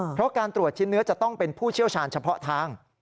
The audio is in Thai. เพราะการตรวจชิ้นเนื้อจะต้องเป็นผู้เชี่ยวชาญเฉพาะทาง